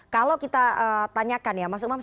kalau kita tanyakan ya mas umam